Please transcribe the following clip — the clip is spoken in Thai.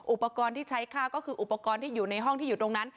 อุปกรณ์ที่ใช้ฆ่าก็คืออุปกรณ์ที่อยู่ในห้องที่อยู่ตรงนั้น